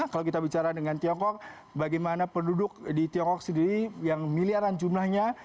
kalau kita bicara dengan tiongkok bagaimana penduduk di tiongkok sendiri yang miliaran jumlahnya